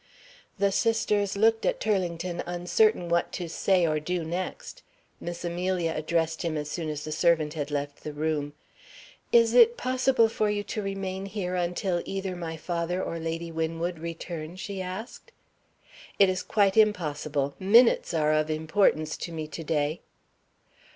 The sisters looked at Turlington, uncertain what to say or do next. Miss Amelia addressed him as soon as the servant had left the room. "Is it possible for you to remain here until either my father or Lady Winwood return?" she asked. "It is quite impossible. Minutes are of importance to me to day."